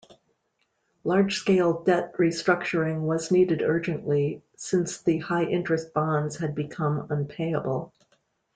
Large-scale debt restructuring was needed urgently, since the high-interest bonds had become unpayable.